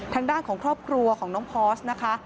ทางด้านของครอบครัวของน้องพอร์สนะคะ